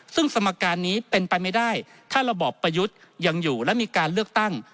ซึ่งสมการนี้เป็นไปไม่ได้ถ้าระบอบประยุทธ์ยังอยู่และมีการเลือกตั้ง